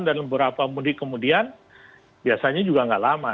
dan beberapa mudik kemudian biasanya juga tidak lama